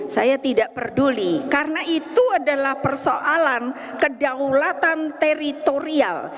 saya tidak peduli karena itu adalah persoalan kedaulatan teritorial